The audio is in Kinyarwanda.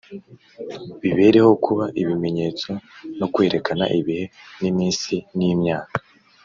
bibereho kuba ibimenyetso no kwerekana ibihe n’iminsi n’imyaka,